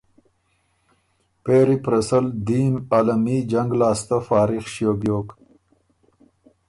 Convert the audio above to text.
پېری پرسل دیم عالمي جنګ لاسته فارغ ݭیوک بیوک